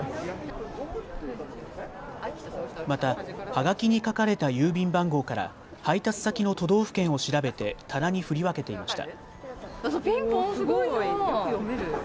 また、はがきに書かれた郵便番号から配達先の都道府県を調べて棚に振り分けていました。